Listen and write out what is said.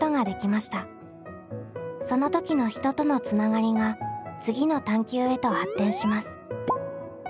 その時の人とのつながりが次の探究へと発展します。